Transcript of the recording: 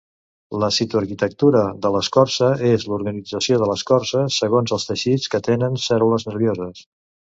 La citoarquitectura de l'escorça és l'organització de l'escorça segons els teixits que tenen cèl·lules nervioses.